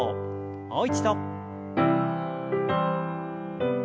もう一度。